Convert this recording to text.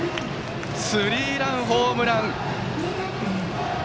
スリーランホームラン！